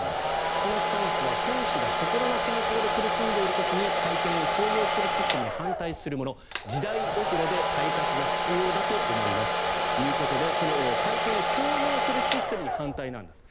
このスタンスは選手が心の健康で苦しんでいる時に会見を強要するシステムに反対するもの時代遅れで改革が必要だと思いますということで会見を強要するシステムに反対なんだと。